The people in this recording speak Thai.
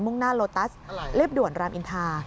่งหน้าโลตัสเรียบด่วนรามอินทา